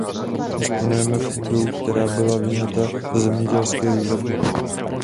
Disponujeme půdou, která byla vyňata ze zemědělské výroby.